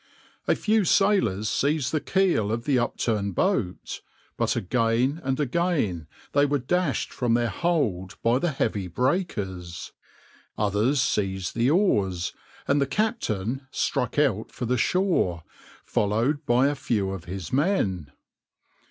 A few sailors seized the keel of the upturned boat, but again and again they were dashed from their hold by the heavy breakers, others seized the oars, and the captain struck out for the shore, followed by a few of his men.